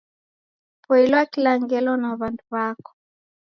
Poilwa kila ngelo na wandu wako